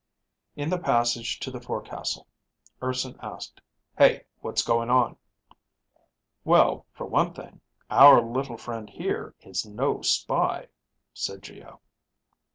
In the passage to the forecastle, Urson asked, "Hey, what's going on?" "Well, for one thing, our little friend here is no spy," said Geo.